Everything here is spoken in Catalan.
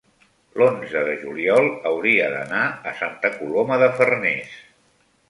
l'onze de juliol hauria d'anar a Santa Coloma de Farners.